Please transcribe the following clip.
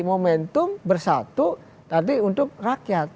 momentum bersatu nanti untuk rakyat